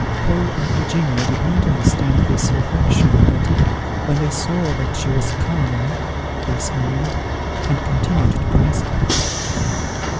Paul and Virginia did not understand this reflection; but, when they saw that she was calm, they smiled, and continued to caress her.